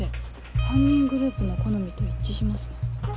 犯人グループの好みと一致しますね。